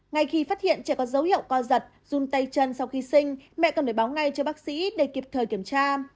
ngay khi phát hiện trẻ có dấu hiệu co giật dùn tay chân sau khi sinh mẹ cần phải báo ngay cho bác sĩ để kịp thời kiểm tra